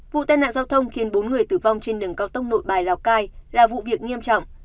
vụ tai nạn giao thông khiến bốn người tử vong trên đường cao tốc nội bài lào cai là vụ việc nghiêm trọng